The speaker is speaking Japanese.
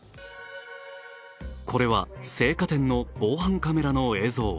これは青果店の防犯カメラの映像。